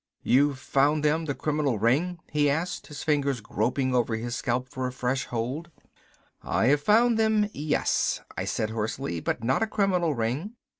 "You've found them, the criminal ring?" he asked, his fingers groping over his scalp for a fresh hold. "I have found them, yes," I said hoarsely. "But not a criminal ring.